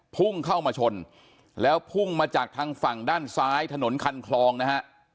พุ่งเข้ามาชนแล้วพุ่งมาจากทางฝั่งด้านซ้ายถนนคันคลองนะฮะ